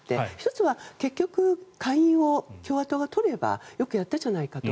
１つは結局、下院を共和党が取ればよくやったじゃないかと。